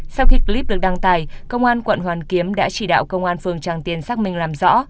sau khi clip được đăng tải công an quận hoàn kiếm đã chỉ đạo công an phường tràng tiền xác minh làm rõ